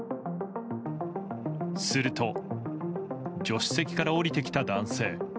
すると助手席から降りてきた男性。